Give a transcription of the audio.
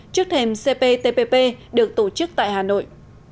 trước thềm cptpp được tổ chức tại hà nội